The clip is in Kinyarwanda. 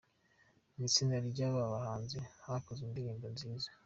mwitsinda rya ryabahanzi bakoze indirimbo nziza